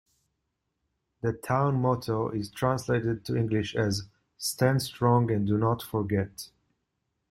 The town motto is translated to English as: "Stand strong and do not forget".